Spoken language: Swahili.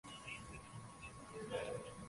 hii tunaweza tukasema kama utabiri ule ambao